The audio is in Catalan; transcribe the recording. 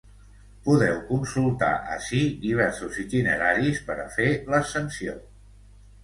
Podeu consultar ací diversos itineraris per a fer l’ascensió.